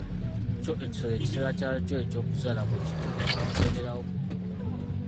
Kyo ekisolo ekiseera kyakyo eky'okuzaala bwe kituuka nga kigenderawo ku nnume.